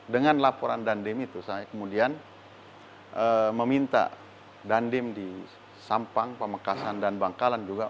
dengan laporan dandim itu saya kemudian meminta dandim di sampang pamekasan dan bangkalan juga